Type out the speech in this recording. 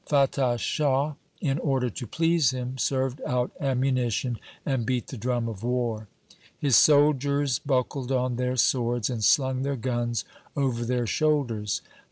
Fatah Shah, in order to please him, served out ammunition and beat the drum of war. His soldiers buckled on their swords, and slung their guns over their shoulders.